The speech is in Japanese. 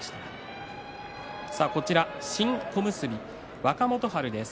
新小結、若元春です。